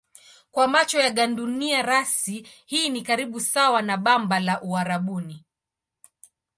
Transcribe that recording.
Kwa macho ya gandunia rasi hii ni karibu sawa na bamba la Uarabuni.